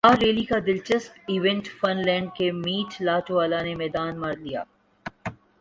کارریلی کا دلچسپ event Fun Land کے میٹ لاٹوالہ نے میدان مار لیا